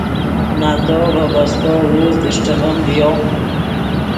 نتو ڤے بستو اوزد اݰٹغیم ڤیو